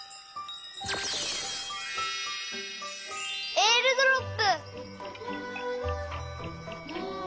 えーるドロップ！